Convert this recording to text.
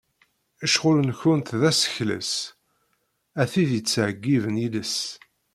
Ccɣel-nkent d asekles, a tid yettṣewwiben iles.